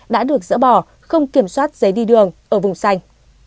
đã được dỡ bỏ không kiểm soát giấy đi đường ở vùng xanh